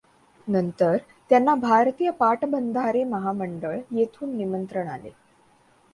नंतर त्यांना भारतीय पाटबंधारे महामंडळ येथून निमंत्रण आले.